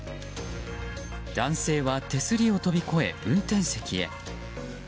男性は手すりを飛び越え運転席へ。